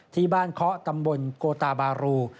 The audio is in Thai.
ที่บ้านเคาะตำบลโกตาบารู